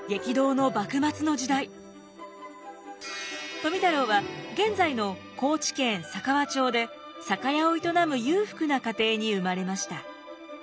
富太郎は現在の高知県佐川町で酒屋を営む裕福な家庭に生まれました。